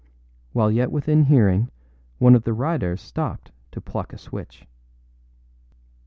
While yet within hearing, one of the riders stopped to pluck a switch.